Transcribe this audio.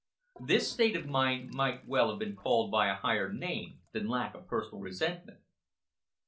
This state of mind might well have been called by a higher name than "lack of personal resentment."